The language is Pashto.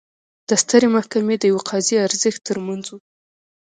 د سترې محکمې د یوه قاضي ارزښت ترمنځ و.